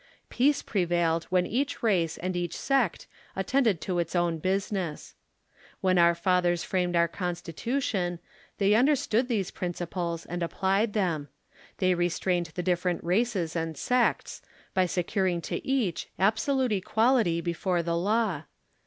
Peace prevailed when each race and each sect attended to its own business. "When our fathers framed our Constitution, thej^ understood these principles and applied them. They restrained the different races and sects, by securing to each absolute equality before the law.